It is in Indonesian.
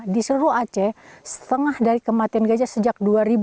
di seluruh aceh setengah dari kematian gajah sejak dua ribu